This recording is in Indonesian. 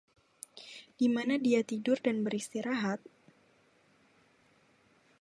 Dimana dia tidur dan beristirahat?